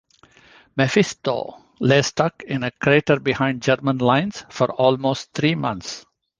"Mephisto" lay stuck in a crater behind German lines for almost three months.